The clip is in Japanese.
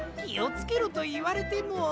きをつけろといわれても。